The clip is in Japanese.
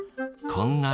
こんな